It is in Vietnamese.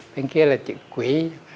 bên kia là chữ quỷ